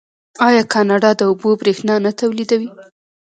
آیا کاناډا د اوبو بریښنا نه تولیدوي؟